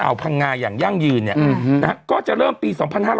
อ่าวภังงายอย่างยั่งยืนเนี่ยก็จะเริ่มปี๒๕๖๖